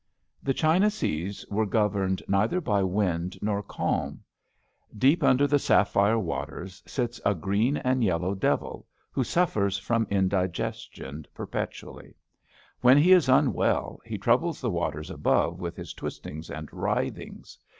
The China seas are governed neither by wind nor calm. Deep down under the sapphire waters sits a green and yellow devil who suffers from indigestion perpetually. When he is unwell he troubles the waters above with his twistings and writhings.